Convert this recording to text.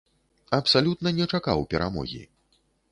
Абсалютна не чакаў перамогі.